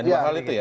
dua hal itu ya